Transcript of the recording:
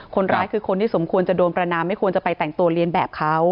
คนร้ายคือคนที่สมควรจะโดนประนามไม่ควรจะไปแต่งตัวเรียนแบบเขา